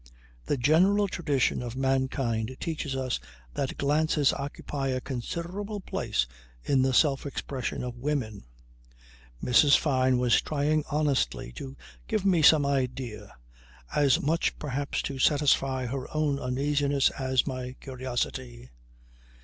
The general tradition of mankind teaches us that glances occupy a considerable place in the self expression of women. Mrs. Fyne was trying honestly to give me some idea, as much perhaps to satisfy her own uneasiness as my curiosity.